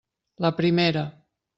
La primera.